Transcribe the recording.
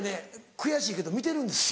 悔しいけど見てるんですよ。